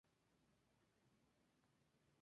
Pero esto está sujeto a grandes variaciones.